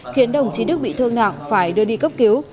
khiến đồng chí đức bị thương nặng phải đưa đi cấp cứu